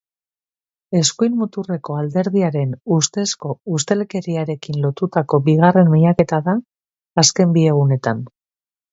Eskuin muturreko alderdiaren ustezko ustelkeriarekin lotutako bigarren miaketa da azken bi egunetan.